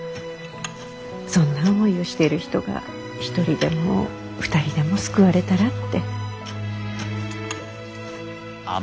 そんな思いをしている人が１人でも２人でも救われたらって。